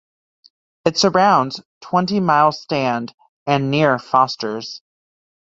It surrounds Twenty Mile Stand and near Fosters.